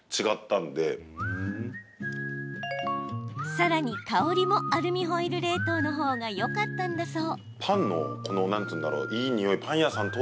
さらに香りもアルミホイル冷凍のほうがよかったんだそう。